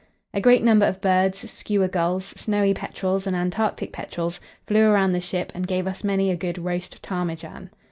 A great number of birds, skua gulls, snowy petrels and Antarctic petrels, flew round the ship and gave us many a good "roast ptarmigan."